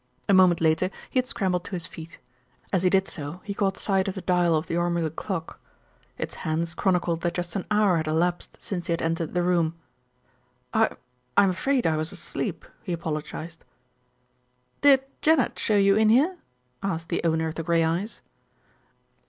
A moment later he had scrambled to his feet. As he did so he caught sight of the dial of the ormolu clock its hands chronicled that just an hour had elapsed since he had entered the room. "I'm I'm afraid I was asleep," he apologised. "Did Janet show you in here?" asked the owner of the grey eyes.